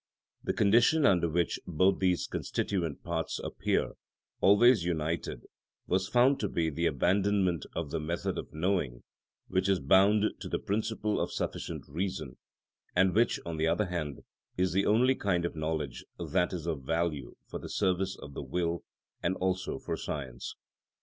The condition under which both these constituent parts appear always united was found to be the abandonment of the method of knowing which is bound to the principle of sufficient reason, and which, on the other hand, is the only kind of knowledge that is of value for the service of the will and also for science.